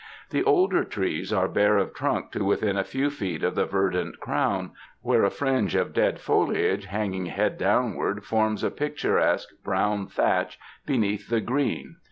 The older trees are bare of trunk to within a few feet of the verdant crown, where a fringe of dead foliage hanging head downward forms a picturesque brown thatch beneath the green.